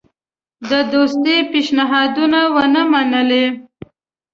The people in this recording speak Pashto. د دوستی پېشنهادونه ونه منلې.